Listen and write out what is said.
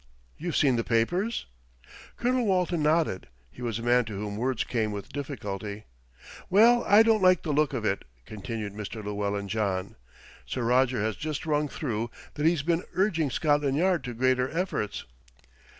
You've seen the papers?" Colonel Walton nodded. He was a man to whom words came with difficulty. "Well, I don't like the look of it," continued Mr. Llewellyn John. "Sir Roger has just rung through that he's been urging Scotland Yard to greater efforts."